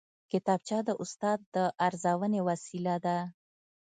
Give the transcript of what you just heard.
کتابچه د استاد د ارزونې وسیله ده